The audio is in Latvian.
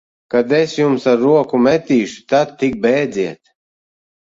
Kad es jums ar roku metīšu, tad tik bēdziet!